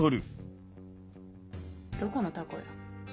どこのタコよ？